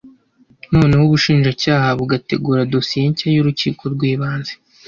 noneho Ubushinjacyaha bugategura dosiye nshya y’urukiko rw’ibanze